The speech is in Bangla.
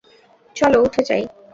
চলো উঠে যাই।